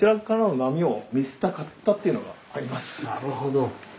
なるほど。